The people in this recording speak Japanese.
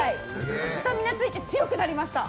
スタミナついて、強くなりました。